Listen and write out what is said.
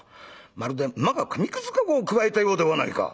まるで馬が紙くず籠をくわえたようではないか」。